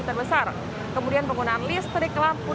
tetap di cnn indonesia newscast